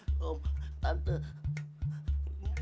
ini cuma salah paham nih yaa